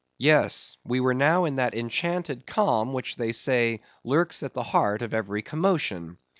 Yes, we were now in that enchanted calm which they say lurks at the heart of every commotion.